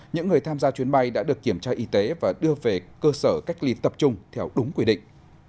những người tham gia chuyến bay đã được kiểm tra y tế và đưa về cơ sở cách ly tập trung theo đúng quy định